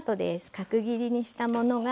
角切りにしたものが。